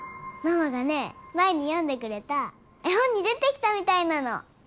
ママがね前に読んでくれた絵本に出てきたみたいなの！